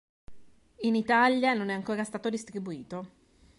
In Italia non è ancora stato distribuito.